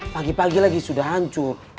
pagi pagi lagi sudah hancur